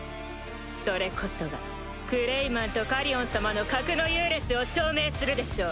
それこそがクレイマンとカリオン様の格の優劣を証明するでしょう。